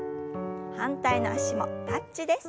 反対の脚もタッチです。